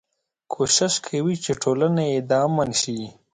کوشش کوي چې ټولنه يې د امن شي.